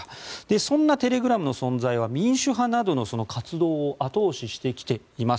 そんなテレグラムの存在は民主派などの活動を後押ししてきています。